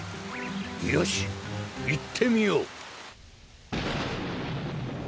よしいってみよう。